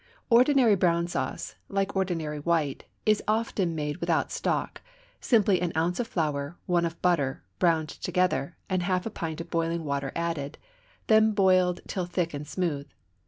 Ordinary brown sauce, like ordinary white, is often made without stock simply an ounce of flour, one of butter, browned together, and half a pint of boiling water added, then boiled till thick and smooth.